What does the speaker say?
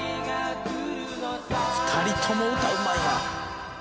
２人とも歌うまいな。